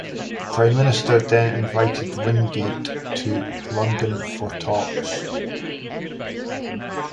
The Prime Minister then invited Wingate to London for talks.